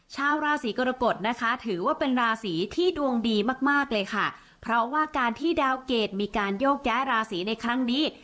ชาวราศีกรกฎนะคะถือว่าเป็นราศีที่ดวงดีมากมากเลยค่ะเพราะว่าการที่ดาวเกรดมีการโยกย้ายราศีในครั้งนี้